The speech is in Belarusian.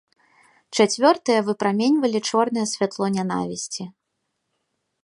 Чацвёртыя выпраменьвалі чорнае святло нянавісці.